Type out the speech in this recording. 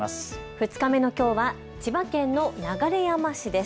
２日目のきょうは千葉県の流山市です。